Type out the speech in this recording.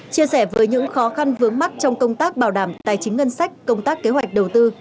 chia sẻ với những khó khăn vướng mắt trong công tác bảo đảm tài chính ngân sách công tác kế hoạch đầu tư